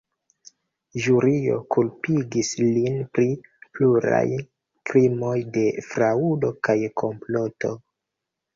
Ĵurio kulpigis lin pri pluraj krimoj de fraŭdo kaj komploto.